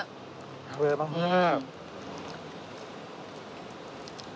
食べれますね。